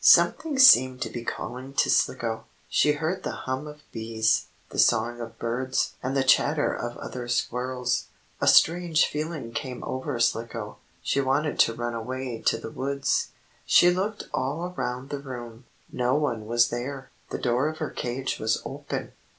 Something seemed to be calling to Slicko. She heard the hum of bees, the song of birds and the chatter of other squirrels. A strange feeling came over Slicko. She wanted to run away to the woods. She looked all around the room. No one was there. The door of her cage was open.